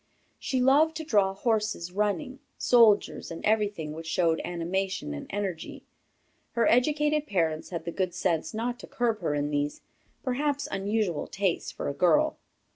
She loved to draw horses running, soldiers, and everything which showed animation and energy. Her educated parents had the good sense not to curb her in these perhaps unusual tastes for a girl.